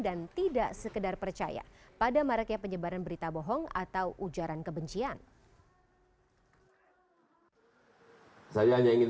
dan tidak sekedar percaya pada maraknya penyebaran berita bohong atau ujaran kebencian